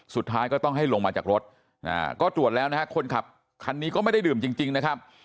สุดท้ายก็ต้องให้ลงมาจากรถก็ตรวจแล้วนะฮะคนขับคันนี้ก็ไม่ได้ดื่มจริงนะครับ